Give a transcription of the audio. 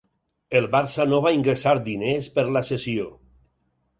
El Barça no va ingressar diners per la cessió.